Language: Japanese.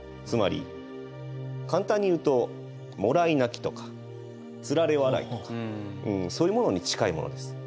つまり簡単に言うともらい泣きとかつられ笑いとかそういうものに近いものです。